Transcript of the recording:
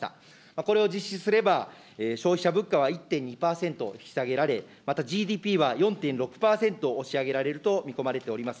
これを実施すれば、消費者物価は１．２％引き下げられ、またＧＤＰは４．６％押し上げられると見込まれております。